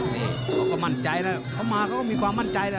นี่ก็มั่นใจมาก็มีความมั่นใจ